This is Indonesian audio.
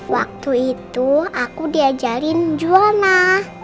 waktu itu aku diajarin jua mah